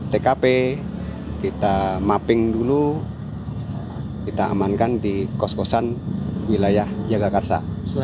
tkp kita mapping dulu kita amankan di kos kosan wilayah jagakarsa